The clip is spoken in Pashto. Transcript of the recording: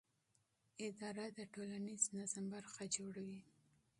اداره د ټولنیز نظم برخه جوړوي.